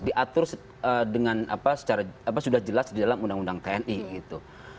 diatur dengan apa secara sudah jelas di dalam undang undang tni gitu